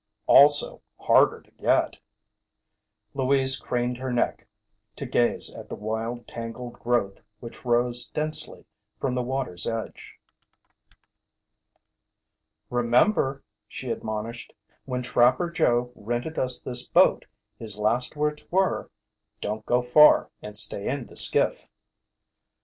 "Also harder to get." Louise craned her neck to gaze at the wild, tangled growth which rose densely from the water's edge. "Remember," she admonished, "when Trapper Joe rented us this boat his last words were: 'Don't go far, and stay in the skiff.'"